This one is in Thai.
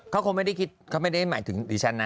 เขาคงไม่ได้คิดเขาไม่ได้หมายถึงดิฉันนะ